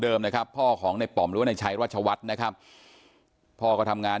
นะครับพ่อของในป่อมหรือว่าในชัยราชวัฒน์นะครับพ่อก็ทำงาน